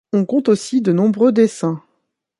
On compte aussi de nombreux dessins.